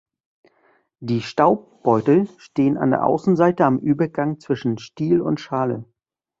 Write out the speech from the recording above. Die Staubbeutel stehen an der Außenseite am Übergang zwischen „Stiel“ und „Schale“.